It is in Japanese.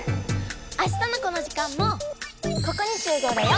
あしたのこの時間もここにしゅうごうだよ！